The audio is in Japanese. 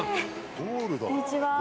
こんにちは。